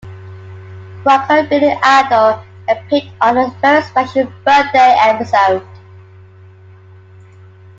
Rocker Billy Idol appeared on a very special birthday episode.